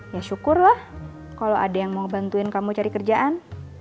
ya syukurlah kalau ada yang mau bantuin kamu cari kerjaan